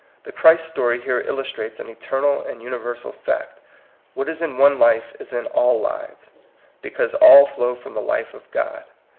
The ChristHstory here illustrates an eter nal and universal fact. What is in one life is in all lives, because all flow from the life of God.